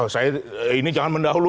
saya ini jangan mendahului